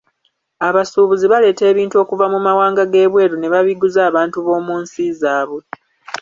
Abasuubuzi baleeta ebintu okuva mu mawanga g'ebweru ne babiguza abantu b'omu nsi zaabwe.